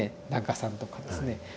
檀家さんとかですね